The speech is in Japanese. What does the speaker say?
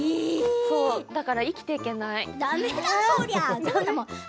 だから生きていけない。